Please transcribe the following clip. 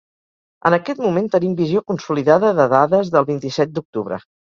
En aquest moment tenim visió consolidada de dades del vint-i-set d’octubre.